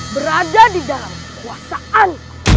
berada di dalam kekuasaan